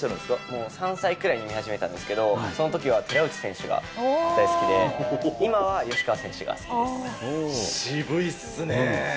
もう３歳くらいに見始めてたんですけど、そのときは寺内選手が大好きで、今は吉川選手が好き渋いっすね。